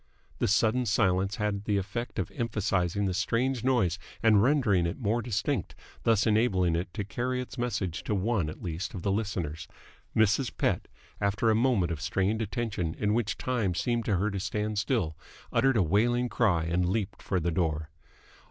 The sudden silence had the effect of emphasising the strange noise and rendering it more distinct, thus enabling it to carry its message to one at least of the listeners. Mrs. Pett, after a moment of strained attention in which time seemed to her to stand still, uttered a wailing cry and leaped for the door.